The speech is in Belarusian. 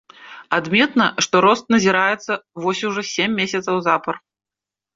Адметна, што рост назіраецца вось ужо сем месяцаў запар.